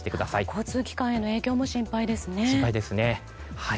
交通機関への影響も心配ですね。